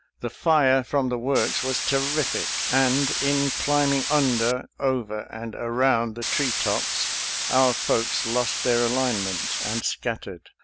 The fire from the works was terrific, and in climbing under, over, and around the tree tops our folks lost their align ment and scattered.